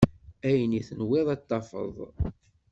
Ayen i tenwiḍ ad t-tafeḍ.